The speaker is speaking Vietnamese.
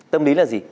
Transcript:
tâm lý là gì